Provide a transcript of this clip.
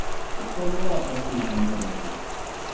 Absolvovala Pražskou konzervatoř.